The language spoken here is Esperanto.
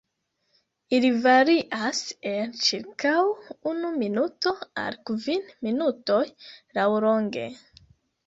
Ili varias el ĉirkaŭ unu minuto al kvin minutoj laŭlonge.